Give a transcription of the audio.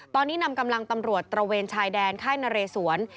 ตอนนี้นำกำลังตำรวจตระเวนชายแดนค่ายนเรสวน